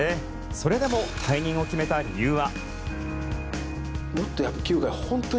それでも退任を決めた理由は。